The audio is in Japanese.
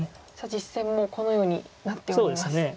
実戦もこのようになっております。